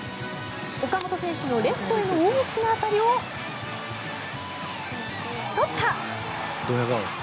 岡本選手のレフトへの大きな当たりをドヤ顔。